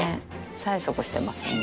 催促してますもんね。